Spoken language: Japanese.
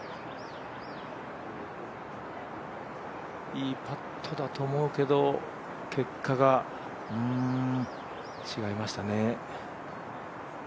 いいパットだと思うけど結果が違いましたね。